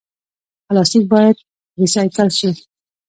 پلاستیک باید ریسایکل شي